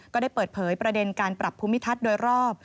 ก็ได้เปิดเผยประเด็นการปรับภูมิทัศน์โดยรอบ